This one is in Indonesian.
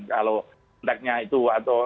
kalau entah itu